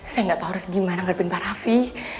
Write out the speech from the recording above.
saya gak tahu harus gimana nganggapin pak raffi